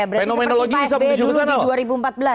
berarti seperti pak sby dulu di dua ribu empat belas ya